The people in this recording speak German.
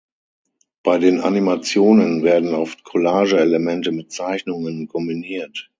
Bei den Animationen werden oft Collage-Elemente mit Zeichnungen kombiniert.